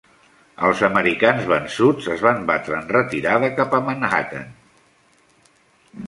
Els americans vençuts es van batre en retirada cap a Manhattan.